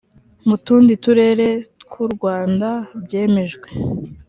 mu tundi turere tw u rwanda byemejwe